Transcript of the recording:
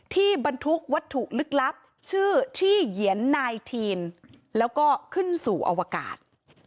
บรรทุกวัตถุลึกลับชื่อที่เหยียนนายทีนแล้วก็ขึ้นสู่อวกาศ